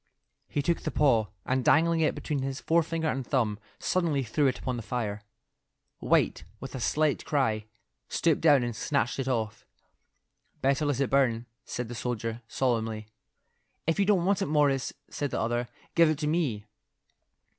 He took the paw, and dangling it between his forefinger and thumb, suddenly threw it upon the fire. White, with a slight cry, stooped down and snatched it off. "Better let it burn," said the soldier, solemnly. "If you don't want it, Morris," said the other, "give it to me."